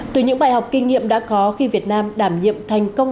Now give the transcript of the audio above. từ những bài học kinh nghiệm đã có khi việt nam đảm nhiệm thành công